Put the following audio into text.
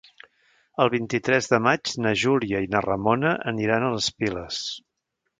El vint-i-tres de maig na Júlia i na Ramona aniran a les Piles.